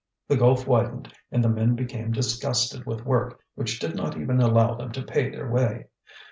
The gulf widened, and the men became disgusted with work which did not even allow them to pay their way.